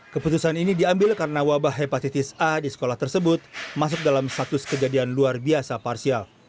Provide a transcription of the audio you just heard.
keputusan ini diambil karena wabah hepatitis a di sekolah tersebut masuk dalam status kejadian luar biasa parsial